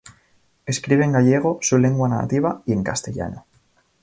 Escribe en gallego, su lengua nativa, y en castellano.